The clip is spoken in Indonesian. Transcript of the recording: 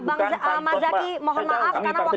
bang zaky mohon maaf karena waktu kita tidak banyak